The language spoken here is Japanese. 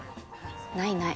ないない。